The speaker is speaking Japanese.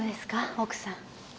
奥さん。